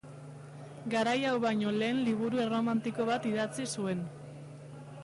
Garai hau baino lehen liburu erromantiko bat idatzi zuen.